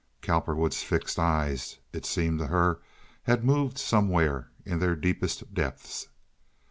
(Cowperwood's fixed eyes, it seemed to her, had moved somewhere in their deepest depths.)